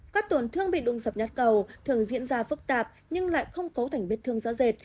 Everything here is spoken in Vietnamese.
các tổn thương bị đụng dập nhãn cầu thường diễn ra phức tạp nhưng lại không cấu thành bếp thương rõ rệt